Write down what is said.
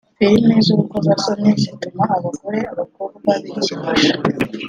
Filimi z’urukozasoni zituma abagore/abakobwa bikinisha